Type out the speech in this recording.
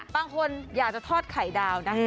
บางคนอยากจะทอดไข่ดาวนะ